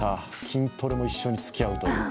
筋トレも一緒につきあうという。